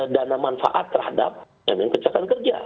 dana manfaat terhadap kecelakaan kerja